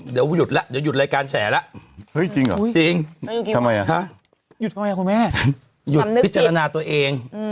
เดี๋ยวหยุดละหยุดรายการแชร์ละจริงหรอจริงทำไมหยุดทำไมครับคุณแม่พิจารณาตัวเอง